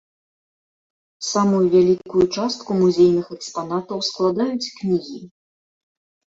Самую вялікую частку музейных экспанатаў складаюць кнігі.